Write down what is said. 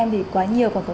theo các chuyên gia